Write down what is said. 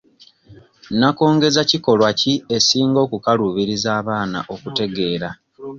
Nakongezakikolwa ki esinga okukaluubiriza abaana okutegeera?